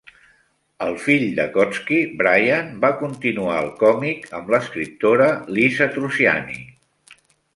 El fill de Kotzky, Brian, va continuar el còmic amb l'escriptora Lisa Trusiani.